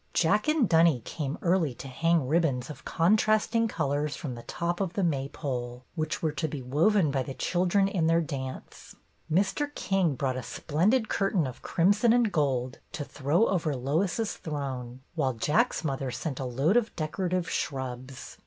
Jack and Dunny came early to hang ribbons of contrasting colors from the top of the May 74 BETTY BAIRD'S GOLDEN YEAR pole, which were to be woven by the children in their dance. Mr. King brought a splendid curtain of crimson and gold to throw over "Lois's Throne," while Jack's mother sent a load of decorative shrubs.